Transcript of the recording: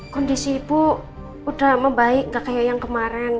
kondisi ibu udah membaik gak kayak yang kemarin